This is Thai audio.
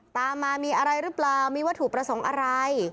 ตามมามีอะไรหรือเปล่ามีวัตถุประสงค์อะไร